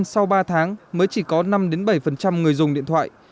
sau ba tháng mới chỉ có năm bảy người dùng điện thoại